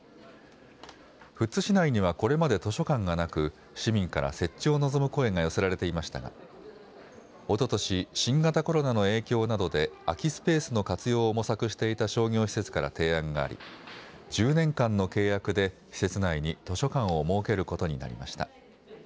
富津市内にはこれまで図書館がなく市民から設置を望む声が寄せられていましたがおととし新型コロナの影響などで空きスペースの活用を模索していた商業施設から提案があり１０年間の契約で施設内に図書館を設けることになりました。